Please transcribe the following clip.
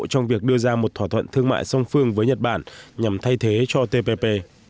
trong việc đưa ra một thỏa thuận thương mại song phương với nhật bản nhằm thay thế cho tpp